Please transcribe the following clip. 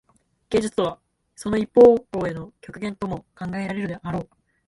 芸術とはその一方向への極限とも考えられるであろう。